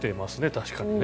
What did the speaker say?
確かにね。